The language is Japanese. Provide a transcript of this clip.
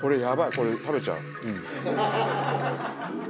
これ食べちゃう。